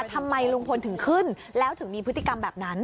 ทำไมลุงพลถึงขึ้นแล้วถึงมีพฤติกรรมแบบนั้น